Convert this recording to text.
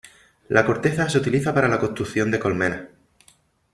La corteza se utiliza para la construcción de colmenas.